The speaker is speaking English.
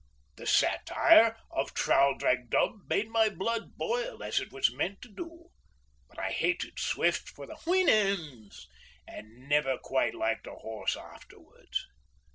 The satire of Traldragdubh made my blood boil as it was meant to do, but I hated Swift for the Houyhnhnms and never quite liked a horse afterwards.